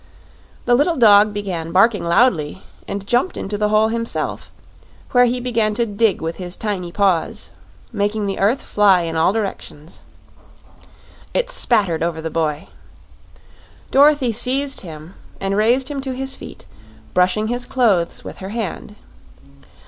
The little dog began barking loudly and jumped into the hole himself, where he began to dig with his tiny paws, making the earth fly in all directions. It spattered over the boy. Dorothy seized him and raised him to his feet, brushing his clothes with her hand.